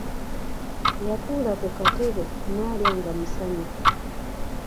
Yatuula ku katebe naalya nga musanyufu.